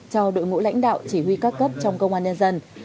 cho đội ngũ lãnh đạo chỉ huy các cấp trong công an nhân dân